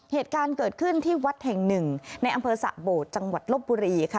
เหตุการณ์เกิดขึ้นที่วัดแห่งหนึ่งในอำเภอสะโบดจังหวัดลบบุรีค่ะ